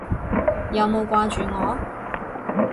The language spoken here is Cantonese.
有冇掛住我？